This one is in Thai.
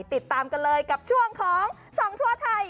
ติดตามกันเลยกับช่วงของส่องทั่วไทย